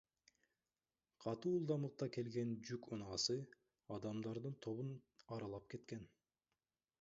Катуу ылдамдыкта келген жүк унаасы адамдардын тобун аралап кеткен.